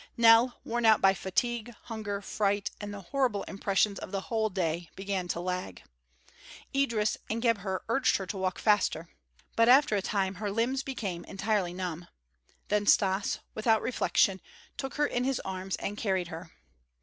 Nell, worn out by fatigue, hunger, fright, and the horrible impressions of the whole day, began to lag. Idris and Gebhr urged her to walk faster. But after a time her limbs became entirely numb. Then Stas, without reflection, took her in his arms and carried her.